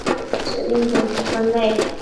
指令集的分类